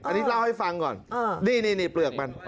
อันนี้เล่าให้ฟังก่อนนี่เปลือกมัน